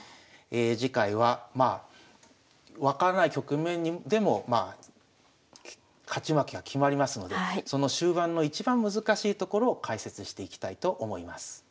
次回はまあ分からない局面でもまあ勝ち負けは決まりますのでその終盤の一番難しいところを解説していきたいと思います。